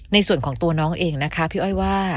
ในส่วนของตัวน้องเองนะคะพี่อ้อยว่า